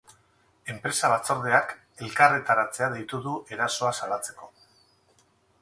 Enpresa-batzordeak elkarretaratzea deitu du erasoa salatzeko.